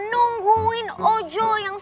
nungguin ojo yang